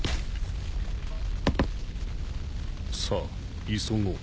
さあ急ごう。